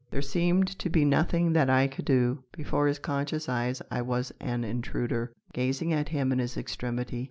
There seemed to be nothing that I could do. Before his conscious eyes I was an intruder, gazing at him in his extremity.